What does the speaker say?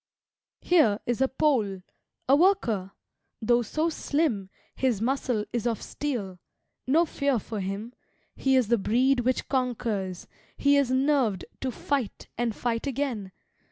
Here is a Pole a worker; though so slim His muscle is of steel no fear for him; He is the breed which conquers; he is nerved To fight and fight again.